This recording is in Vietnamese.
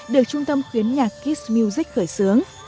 được trung tâm khuyến nhạc kids music khởi xướng